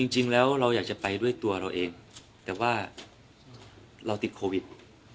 จริงแล้วเราอยากจะไปด้วยตัวเราเองแต่ว่าเราติดโควิด